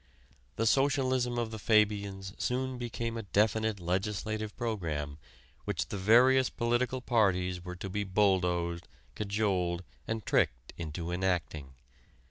The socialism of the Fabians soon became a definite legislative program which the various political parties were to be bulldozed, cajoled and tricked into enacting.